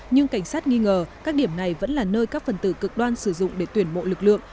nhưng cảnh sát nghi ngờ các điểm này vẫn là nơi các phần tử cực đoan sử dụng để tuyển mộ lực lượng